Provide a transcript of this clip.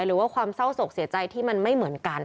หรือว่าความเศร้าศกเสียใจที่มันไม่เหมือนกัน